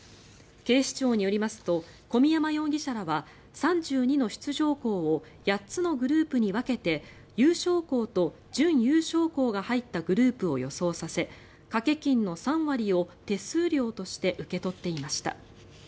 警視庁によりますと小宮山容疑者らは３２の出場校を８つのグループに分けて優勝校と準優勝校が入ったグループを予想させ賭け金の３割を手数料として受け取っていました。